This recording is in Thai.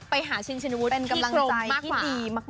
เป็นกำลังใจมากมาก